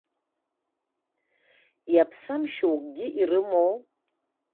Иаԥсам шьоукгьы ирымоу?